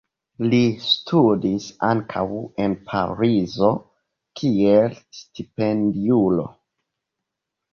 Li studis ankaŭ en Parizo kiel stipendiulo.